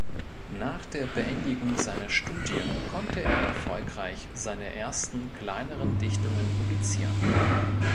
Nach der Beendigung seiner Studien konnte er erfolgreich seine ersten kleineren Dichtungen publizieren.